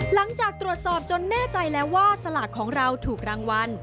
หลังจากตรวจสอบจนแน่ใจแล้วว่าสลากของเราถูกรางวัล